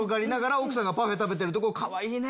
奥さんがパフェ食べてるとこかわいいね！